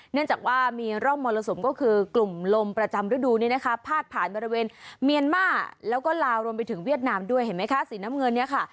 เนื่องจากว่ามีร่องมรสุมก็คือกลุ่มลมประจำฤดูนี้นะคะพาดผ่านบริเวณเมียนมาแล้วก็ลาวรวมไปถึงเวียดนามด้วยเห็นไหมคะสีน้ำเงินเนี่ยค่ะ